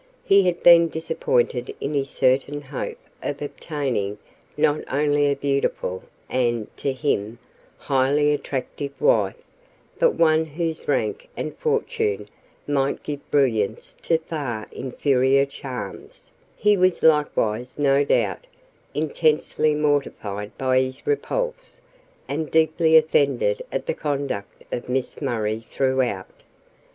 He had been disappointed in his certain hope of obtaining not only a beautiful, and, to him, highly attractive wife, but one whose rank and fortune might give brilliance to far inferior charms: he was likewise, no doubt, intensely mortified by his repulse, and deeply offended at the conduct of Miss Murray throughout.